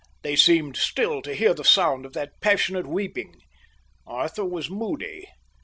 They seemed still to hear the sound of that passionate weeping. Arthur was moody.